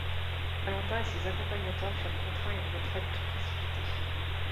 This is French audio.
Valantin et ses accompagnateurs furent contraints à une retraite précipitée.